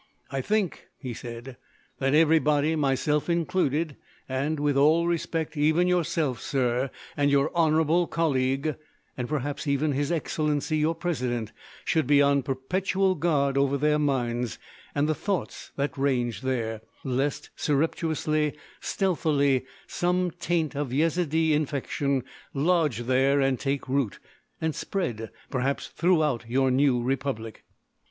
"I think," he said, "that everybody—myself included—and, with all respect, even yourself, sir,—and your honourable colleague,—and perhaps even his Excellency your President,—should be on perpetual guard over their minds, and the thoughts that range there, lest, surreptitiously, stealthily, some taint of Yezidee infection lodge there and take root—and spread—perhaps—throughout your new Republic."